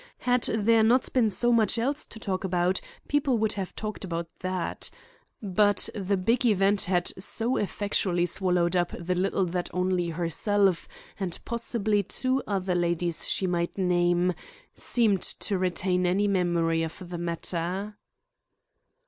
Had there not been so much else to talk about, people would have talked about that. But the big event had so effectually swallowed up the little that only herself, and possibly two other ladies she might name, seemed to retain any memory of the matter.